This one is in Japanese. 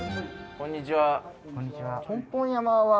こんにちは